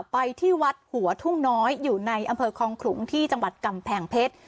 ไปที่วัดหัวทุ่งน้อยอยู่ในอำเภอคองขลุงที่จังหวัดกำแพงเพชร